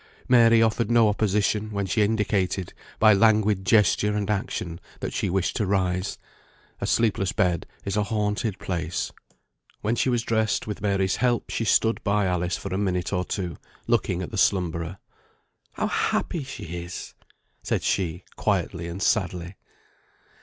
Mary offered no opposition when she indicated by languid gesture and action that she wished to rise. A sleepless bed is a haunted place. When she was dressed with Mary's help, she stood by Alice for a minute or two, looking at the slumberer. "How happy she is!" said she, quietly and sadly.